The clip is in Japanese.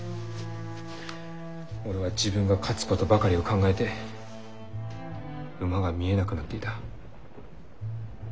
俺は自分が勝つことばかりを考えて馬が見えなくなっていた。